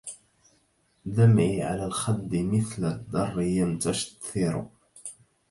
دمعي على الخد مثل الدر ينتثر